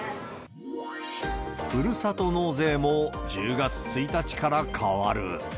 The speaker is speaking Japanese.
ふるさと納税も１０月１日から変わる。